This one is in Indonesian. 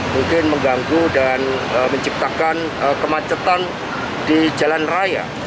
mungkin mengganggu dan menciptakan kemacetan di jalan raya